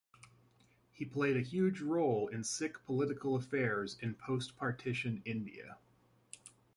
He played a huge role in Sikh political affairs in post partition India.